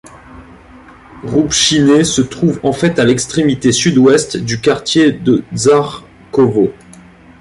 Rupčine se trouve en fait à l'extrémité sud-ouest du quartier de Žarkovo.